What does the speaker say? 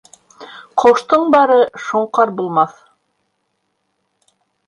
Ҡоштоң бары шоңҡар булмаҫ.